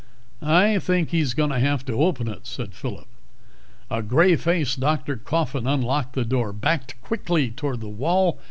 "I think he's going to have to open it," said Phillip. A gray faced Dr. Coffin unlocked the door, backed quickly toward the wall.